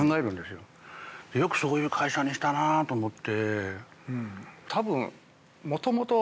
よくそういう会社にしたなと思って。